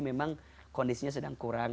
memang kondisinya sedang kurang